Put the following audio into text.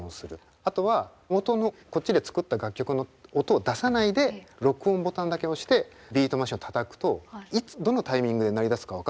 あとは元のこっちで作った楽曲の音を出さないで録音ボタンだけ押してビートマシンをたたくといつどのタイミングで鳴り出すか分かんないわけじゃないですか。